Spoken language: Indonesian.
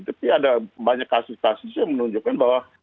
tapi ada banyak kasus kasus yang menunjukkan bahwa